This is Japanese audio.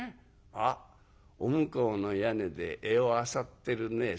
あっお向こうの屋根で餌をあさってるね。